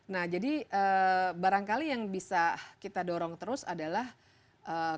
nah jadi barangkali yang bisa kita dorong terus adalah kita lanjutkan reformasi misalnya di tiongkok ya